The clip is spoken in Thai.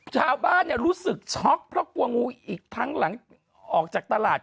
ชาวบ้านรู้สึกช็อกเพราะกลัวงูอีกทั้งหลังออกจากตลาด